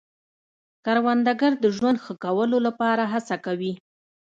کروندګر د ژوند ښه کولو لپاره هڅه کوي